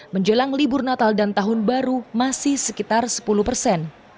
menjelang libur natal dan tahun baru masih sekitar sepuluh persen